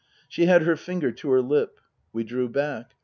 She had her finger to her lip. We drew back.